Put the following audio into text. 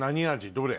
どれ？